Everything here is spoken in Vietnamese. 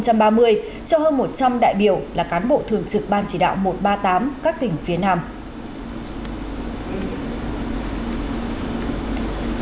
cho hơn một trăm linh đại biểu là cán bộ thường trực ban chỉ đạo một trăm ba mươi tám các tỉnh phía nam